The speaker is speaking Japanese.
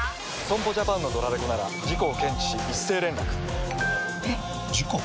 損保ジャパンのドラレコなら事故を検知し一斉連絡ピコンえっ？！事故？！